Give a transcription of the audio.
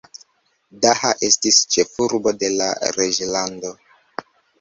Daha estis ĉefurbo de la reĝlando.